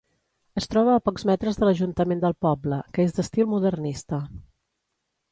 Es troba a pocs metres de l'Ajuntament del poble, que és d'estil modernista.